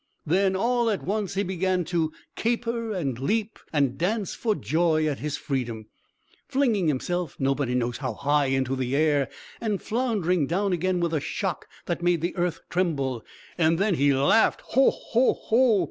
Then, all at once, he began to caper, and leap, and dance for joy at his freedom; flinging himself nobody knows how high into the air, and floundering down again with a shock that made the earth tremble. Then he laughed Ho! ho!